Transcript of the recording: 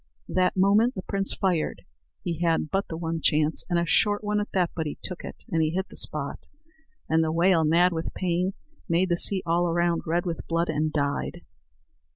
That moment the prince fired. He had but the one chance, and a short one at that; but he took it, and he hit the spot, and the whale, mad with pain, made the sea all around red with blood, and died.